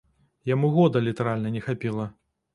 Яму года літаральна не хапіла.